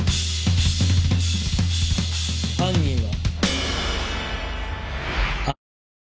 犯人は。